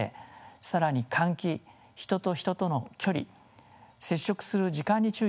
更に換気人と人との距離接触する時間に注意することです。